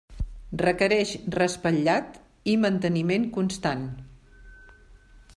Requereix raspallat i manteniment constant.